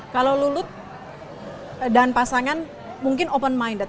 kalau lulut dan pasangan mungkin open minded